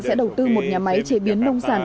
sẽ đầu tư một nhà máy chế biến nông sản